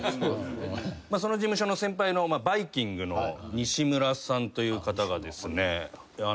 その事務所の先輩のバイきんぐの西村さんという方がですね。